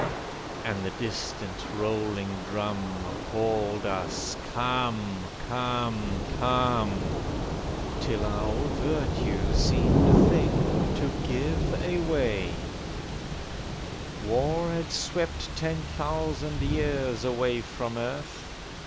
And the distant, rolling drum Called us 'Come, come, come!' Till our virtue seemed a thing to give away. War had swept ten thousand years away from earth.